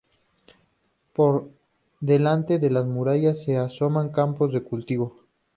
Por delante de la muralla se asoman campos de cultivo.